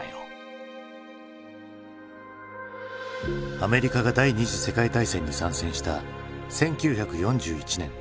アメリカが第２次世界大戦に参戦した１９４１年。